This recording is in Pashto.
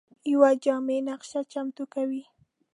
یوه جامع نقشه چمتو کوي.